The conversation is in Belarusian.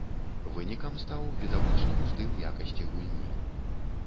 Вынікам стаў відавочны ўздым якасці гульні.